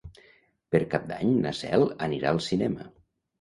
Per Cap d'Any na Cel anirà al cinema.